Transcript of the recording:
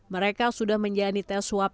mereka sudah menjalani tes swab